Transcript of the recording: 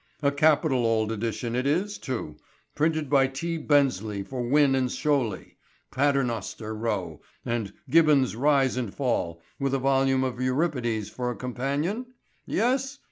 A capital old edition it is, too; printed by T. Bensley for Wynne & Scholey, Paternoster Row. And Gibbon's Rise and Fall, with a volume of Euripides for a companion? Yes?